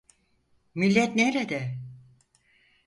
Millet nerede?